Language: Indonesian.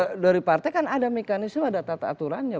kalau dari partai kan ada mekanisme ada tata aturannya